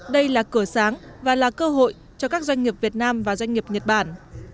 đây là cửa sáng và là cơ hội cho các doanh nghiệp việt nam và doanh nghiệp nhật bản